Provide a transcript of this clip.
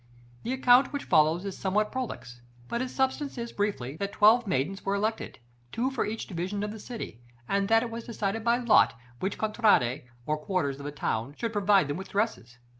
The account which follows is somewhat prolix; but its substance is, briefly, that twelve maidens were elected, two for each division of the city; and that it was decided by lot which contrade, or quarters of the town, should provide them with dresses.